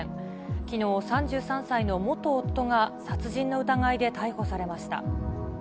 きのう、３３歳の元夫が殺人の疑いで逮捕されました。